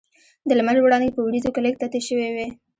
د لمر وړانګې په وریځو کې لږ تتې شوې وې.